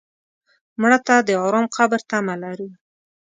مړه ته د ارام قبر تمه لرو